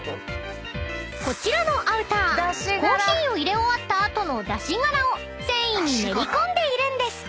［こちらのアウターコーヒーを入れ終わった後の出し殻を繊維に練り込んでいるんです］